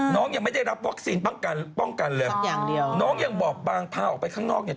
น้องยังไม่ได้รับวัคซีนป้องกันเลยน้องยังบอกบางพาออกไปข้างนอกเนี่ย